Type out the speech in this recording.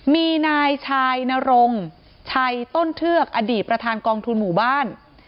มีนายชายนรงชัยต้นเทือกอดีตประธานกองทุนหมู่บ้าน